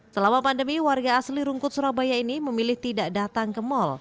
selama pandemi warga asli rungkut surabaya ini memilih tidak datang ke mal